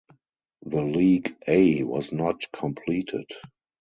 The league A was not completed.